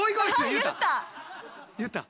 言った。